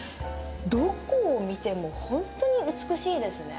どこを見てもほんとに美しいですね。